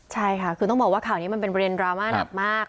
ใช่ค่ะคือต้องบอกว่าข่าวนี้มันเป็นประเด็นดราม่าหนักมาก